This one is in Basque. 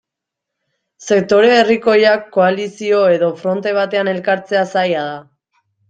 Sektore herrikoiak koalizio edo fronte batean elkartzea zaila da.